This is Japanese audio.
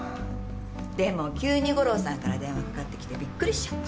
でも急に五郎さんから電話かかってきてビックリしちゃった。